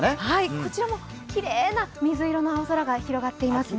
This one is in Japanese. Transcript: こちらもきれいな水色の青空が広がっていますね。